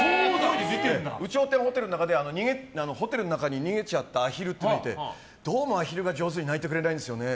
「有頂天ホテル」の中でホテルの中に逃げちゃったアヒルっていうのがいてどうもアヒルが上手に鳴いてくれないんですよね。